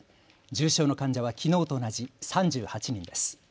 重症の患者はきのうと同じ３８人です。